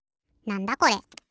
なんだこれ？